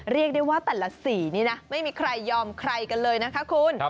เรียกได้ว่าแต่ละสีนี่นะไม่มีใครยอมใครกันเลยนะคะคุณ